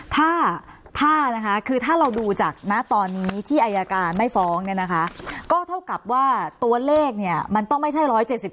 ถ้าถ้านะคะคือถ้าเราดูจากณตอนนี้ที่อายการไม่ฟ้องเนี่ยนะคะก็เท่ากับว่าตัวเลขเนี่ยมันต้องไม่ใช่๑๗๒